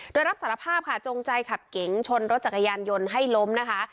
โดยรับสารภาพค่ะจงใจขับเก๋งชนรถจักรยานยนต์ให้ล้มนะคะ